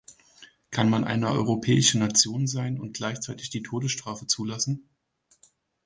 Kann man eine europäische Nation sein und gleichzeitig die Todesstrafe zulassen?